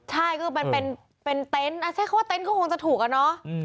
ใช่ก็เป็นเป็นเป็นเต็นต์อ่ะใช่เขาว่าเต็นต์ก็คงจะถูกอะเนาะ